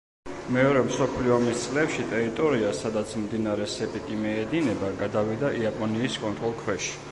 მეორე მსოფლიო ომის წლებში ტერიტორია, სადაც მდინარე სეპიკი მიედინება, გადავიდა იაპონიის კონტროლ ქვეშ.